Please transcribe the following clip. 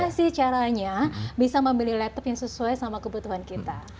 bagaimana sih caranya bisa membeli laptop yang sesuai sama kebutuhan kita